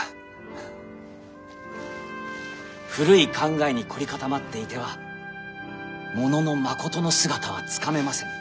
古い考えに凝り固まっていてはものの真の姿はつかめませぬ。